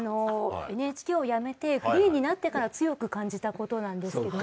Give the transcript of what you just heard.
ＮＨＫを辞めてフリーになってから強く感じたことなんですけども。